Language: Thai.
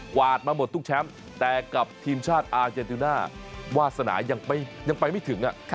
วาดมาหมดทุกแชมป์แต่กับทีมชาติอาเจนติน่าวาสนายังไปไม่ถึง